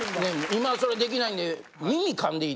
今それ出来ないんで。